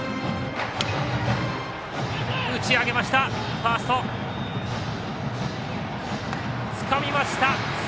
ファーストつかみました。